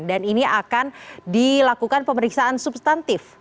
dan ini akan dilakukan pemeriksaan substantif